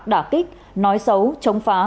đả kích nói xấu chống phá